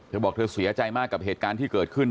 เธอบอกเธอเสียใจมากกับเหตุการณ์ที่เกิดขึ้น